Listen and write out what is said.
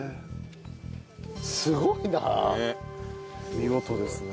見事ですねえ。